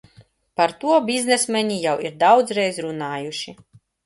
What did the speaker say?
Par to biznesmeņi jau ir daudzreiz runājuši.